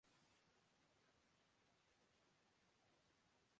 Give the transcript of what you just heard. اور قوانین اپنے فطری ارتقا سے محروم رہتے ہیں